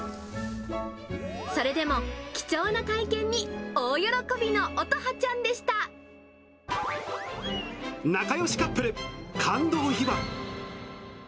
それでも貴重な体験に大喜びの音仲よしカップル、感動秘話。